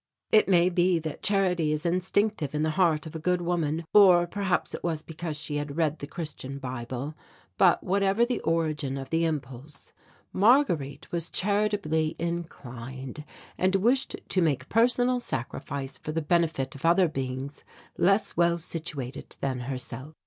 It may be that charity is instinctive in the heart of a good woman, or perhaps it was because she had read the Christian Bible; but whatever the origin of the impulse, Marguerite was charitably inclined and wished to make personal sacrifice for the benefit of other beings less well situated than herself.